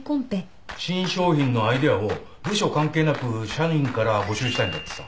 新商品のアイデアを部署関係なく社員から募集したいんだってさ。